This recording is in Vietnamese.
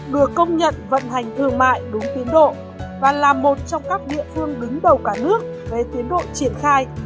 được công nhận vận hành thương mại đúng tiến độ và là một trong các địa phương đứng đầu cả nước về tiến độ triển khai